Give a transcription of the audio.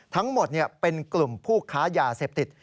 ทั้งหมดเป็นกลุ่มผู้ค้ายาเสพติด